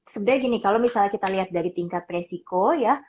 sebenarnya gini kalau misalnya kita lihat dari tingkat resiko ya